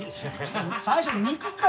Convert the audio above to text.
最初肉か！